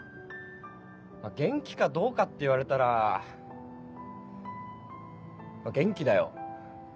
元気かどうかって言われたら元気だよ。